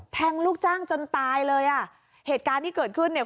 ลูกจ้างจนตายเลยอ่ะเหตุการณ์ที่เกิดขึ้นเนี่ย